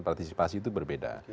partisipasi itu berbeda